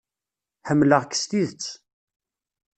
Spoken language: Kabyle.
Ḥemmleɣ-k s tidet.